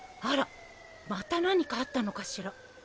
あらまた何かあったのかしら。